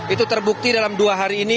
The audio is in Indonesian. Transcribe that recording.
itu terbukti dalam dua hari ini